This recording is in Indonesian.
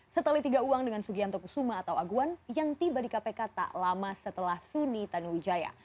setelah tiga uang dengan sugianto kusuma atau aguan yang tiba di kpk tak lama setelah suni tanuwijaya